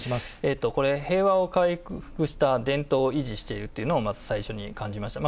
これ、平和を回復した伝統を維持しているというのを、まず最初に感じました。